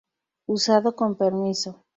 Usado con permiso.